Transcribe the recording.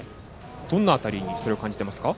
どの辺りにそれを感じていますか。